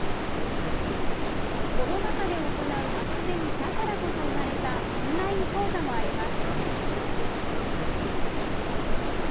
コロナ禍で行うまちゼミだからこそ生まれたオンライン講座もあります。